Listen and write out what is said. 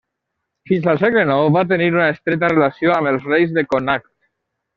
Fins al segle nou va tenir una estreta relació amb els reis de Connacht.